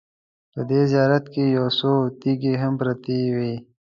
په دې زیارت کې یو څو تیږې هم پرتې وې.